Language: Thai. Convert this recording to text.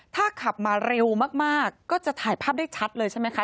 ถ้าขับมาเร็วมากก็จะถ่ายภาพได้ชัดเลยใช่ไหมคะ